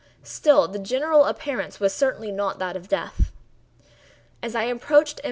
Still, the general appearance was certainly not that of death. As I approached M.